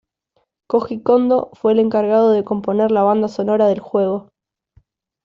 Koji Kondo fue el encargado de componer la banda sonora del juego.